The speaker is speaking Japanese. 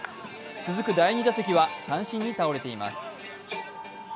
続く第２打席は三振に倒れています